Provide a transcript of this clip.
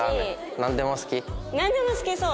なんでも好きそう。